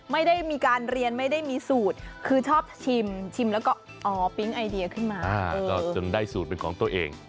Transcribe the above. ไม่ได้มีการเรียนไม่ได้มีสูตรคือชอบชิมชิมแล้วก็อ๋อปิ๊งไอเดียขึ้นมาก็จนได้สูตรเป็นของตัวเอง